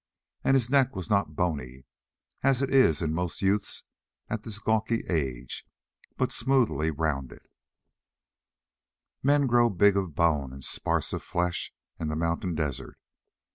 And his neck was not bony, as it is in most youths at this gawky age, but smoothly rounded. Men grow big of bone and sparse of flesh in the mountain desert.